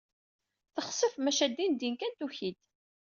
Texsef, maca dindin kan tuki-d.